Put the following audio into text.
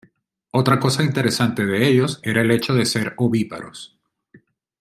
Otra cosa interesante de ellos era el hecho de ser ovíparos.